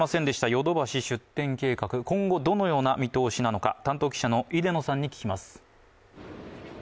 ヨドバシ出店計画、今後どのような見通しなのか、担当記者の出野さんに聞きます。